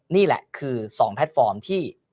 นี่แหละคือ๒แพลตฟอร์มที่